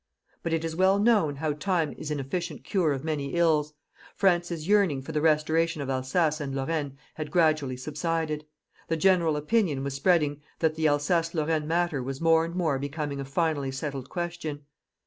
But it is well known how TIME is an efficient cure of many ills. France's yearning for the restoration of Alsace and Lorraine had gradually subsided. The general opinion was spreading that the Alsace Lorraine matter was more and more becoming a finally settled question.